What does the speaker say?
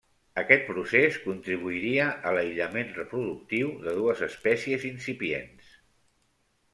Aquest procés contribuiria a l'aïllament reproductiu de dues espècies incipients.